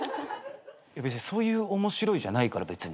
いや別にそういう面白いじゃないから。